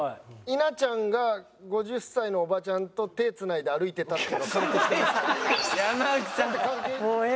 稲ちゃんが５０歳のおばちゃんと手繋いで歩いてたっていうのカウントしてますか？